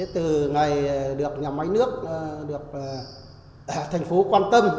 từ ngày được nhà máy nước được thành phố quan tâm